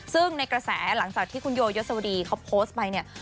ซึ่งในกระแสหลังจากที่คุณโยยศวดีเขาโพสต์ไปเนี่ย